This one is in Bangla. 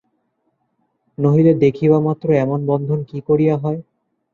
নহিলে দেখিবামাত্র এমন বন্ধন কী করিয়া হয়।